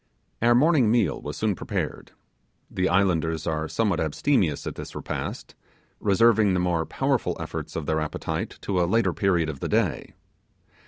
Our morning meal was soon prepared. The islanders are somewhat abstemious at this repast; reserving the more powerful efforts of their appetite to a later period of the day.